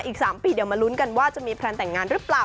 อีก๓ปีเดี๋ยวมาลุ้นกันว่าจะมีแพลนแต่งงานหรือเปล่า